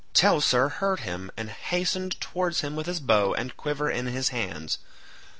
Teucer heard him and hastened towards him with his bow and quiver in his hands.